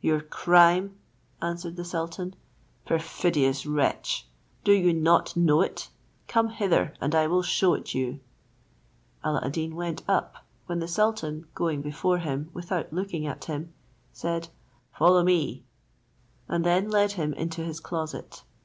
"Your crime," answered the sultan; "perfidious wretch! Do you not know it? Come hither, and I will shew it you." Alla ad Deen went up, when the sultan, going before him without looking at him, said, "Follow me;" and then led him into his closet.